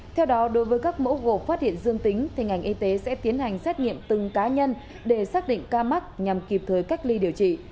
theo đó đối với các mẫu gộp phát hiện dương tính thì ngành y tế sẽ tiến hành xét nghiệm từng cá nhân để xác định ca mắc nhằm kịp thời cách ly điều trị